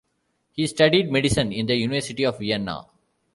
He studied medicine in the University of Vienna.